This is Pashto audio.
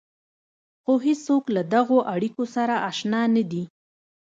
خو هېڅوک له دغو اړيکو سره اشنا نه دي.